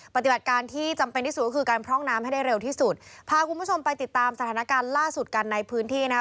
ปฏิบัติการที่จำเป็นที่สุดก็คือการพร่องน้ำให้ได้เร็วที่สุดพาคุณผู้ชมไปติดตามสถานการณ์ล่าสุดกันในพื้นที่นะคะ